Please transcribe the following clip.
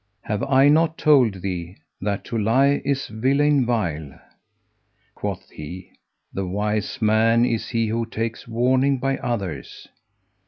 Have I not told thee that to lie is villein vile?" Quoth he, "The wise man is he who taketh warning by others."